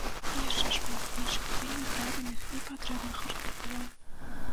І яшчэ шмат іншых вельмі правільных і патрэбных артыкулаў.